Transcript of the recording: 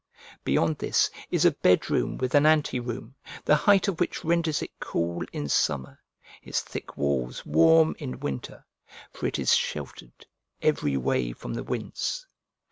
Beyond this is a bed room with an ante room, the height of which renders it cool in summer, its thick walls warm in winter, for it is sheltered, every way from the winds.